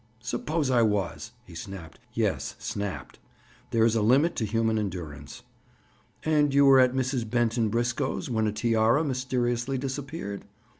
"Suppose I was?" he snapped. Yes, snapped! There is a limit to human endurance. "And you were at Mrs. Benton Briscoe's when a tiara mysteriously disappeared?"